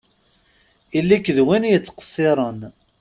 Ili-k d win yettqeṣṣiṛen!